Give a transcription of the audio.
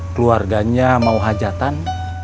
keluarganya mau hajatan